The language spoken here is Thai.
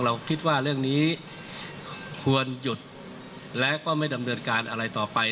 เราคิดว่าเรื่องนี้ควรหยุดและก็ไม่ดำเนินการอะไรต่อไป